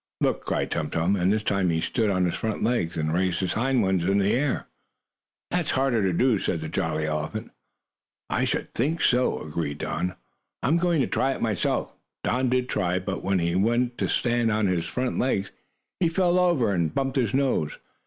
"Look!" cried Tum Tum, and this time he stood on his front legs, and raised his hind ones in the air. "That's harder to do," said the jolly elephant. "I should think so," agreed Don. "I'm going to try it myself." Don did try, but when he wanted to stand on his front legs, he fell over and bumped his nose.